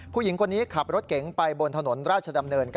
ผู้หญิงคนนี้ขับรถเก๋งไปบนถนนราชดำเนิน